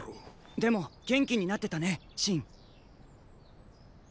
でも元気になってたね信。！